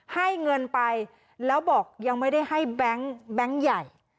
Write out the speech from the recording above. ให้เงินไปแล้วบอกยังไม่ได้ให้แบงค์ใหญ่